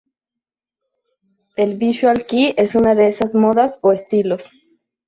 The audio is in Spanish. El Visual kei es una de esas "modas" o estilos.